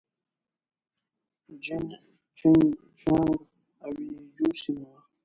جين چنګ جيانګ او يي جو سيمه وه.